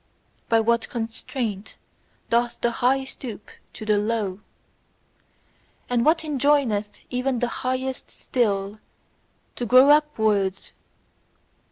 By what constraint doth the high stoop to the low? And what enjoineth even the highest still to grow upwards?